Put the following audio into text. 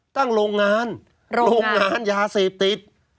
ตั้งโรงงานโรงงานยาเสพติด